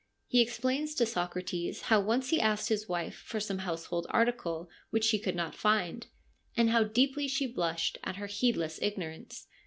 He explains to Socrates how once he asked his wife for some household article which she could not find, and how deeply she blushed at her heedless ignorance.